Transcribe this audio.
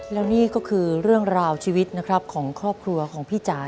แล้วนี่ก็คือเรื่องราวชีวิตนะครับของครอบครัวของพี่จ๋า